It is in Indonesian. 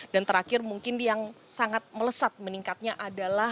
dan terakhir mungkin yang sangat melesat meningkatnya adalah